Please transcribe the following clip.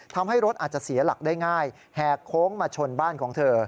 ทำให้รถอาจจะเสียหลักได้ง่ายแหกโค้งมาชนบ้านของเธอ